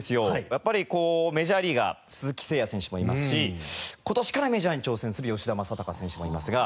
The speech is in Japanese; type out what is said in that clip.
やっぱりこうメジャーリーガー鈴木誠也選手もいますし今年からメジャーに挑戦する吉田正尚選手もいますが。